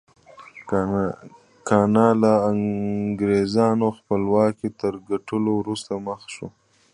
ګانا له انګرېزانو خپلواکۍ تر ګټلو وروسته مخ شو.